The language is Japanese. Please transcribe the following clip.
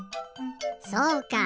そうか。